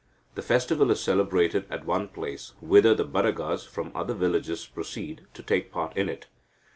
The festival is celebrated at one place, whither the Badagas from other villages proceed, to take part in it.